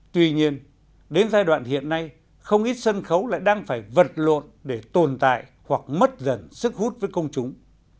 tuy nhiên đến giai đoạn hiện nay không ít sân khấu lại đang phải vật lộn để tồn tại hoặc mất dần sức hút với công chúng